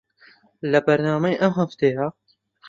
لە بەرنامەی ئەم هەفتەیە